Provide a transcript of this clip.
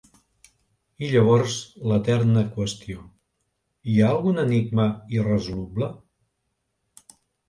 I llavors, l'eterna qüestió: ¿hi ha algun enigma irresoluble?